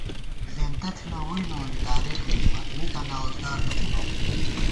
زېنتہ تھنہ ووئی نوری تارېخ لِکِمان مِکاں لا ووزگار نہ تھنہ